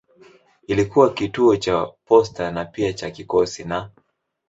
Ilikuwa kituo cha posta na pia cha kikosi na.